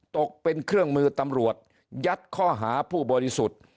ตกเป็นเครื่องมือตำรวจยัดข้อหาผู้บริสุทธิ์